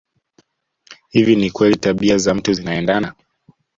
Hivi ni kweli tabia za mtu zinaendana